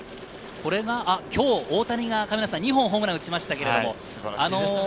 今日、大谷が２本ホームランを打ちました。